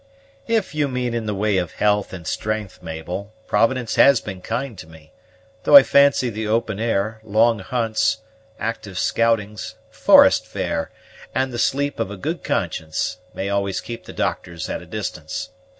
"If you mean in the way of health and strength, Mabel, Providence has been kind to me; though I fancy the open air, long hunts, active scoutings, forest fare, and the sleep of a good conscience, may always keep the doctors at a distance.